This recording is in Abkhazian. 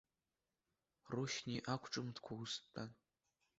Рушьни ақәҿымҭкәа ус дтәан.